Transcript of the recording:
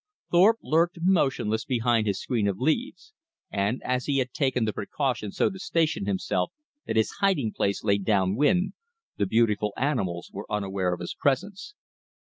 Thorpe lurked motionless behind his screen of leaves; and as he had taken the precaution so to station himself that his hiding place lay downwind, the beautiful animals were unaware of his presence.